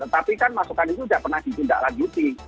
tapi kan masukan itu sudah pernah ditindak lagi